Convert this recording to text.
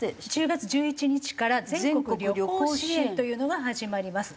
１０月１１日から全国旅行支援というのが始まります。